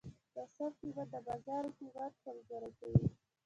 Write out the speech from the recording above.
ناسم قیمت د بازار اعتماد کمزوری کوي.